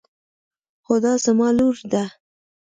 هُدا زما لور ده.